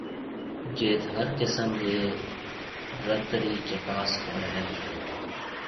جيٿ ھر قسم رِي رت رِي چڪاس ھوئيَ ھيََََ